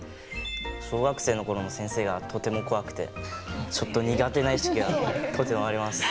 小学生の頃の先生がとても怖くてちょっと苦手な意識がとてもあります。